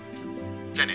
じゃあね。